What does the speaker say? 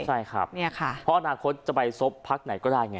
ใช่ครับเพราะอนาคตจะไปซบพักไหนก็ได้ไง